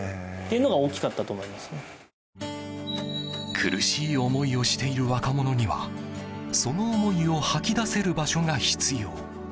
苦しい思いをしている若者にはその思いを吐き出せる場所が必要。